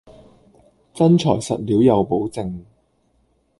真材實料有保證